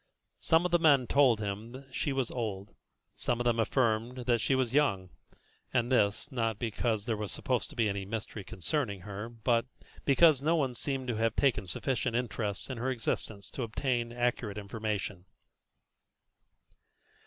Some of the men told him that she was old, some of them affirmed that she was young, and this, not because there was supposed to be any mystery concerning her, but because no one seemed to have taken sufficient interest in her existence to obtain accurate information.